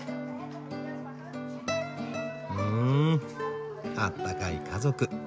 んあったかい家族。